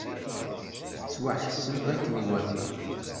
Yettwaḥseb akken iwata!